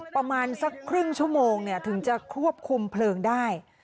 ประมาณสักครึ่งชั่วโมงถึงจะควบคุมเพลิงได้